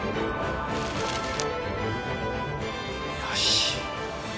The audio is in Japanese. よし。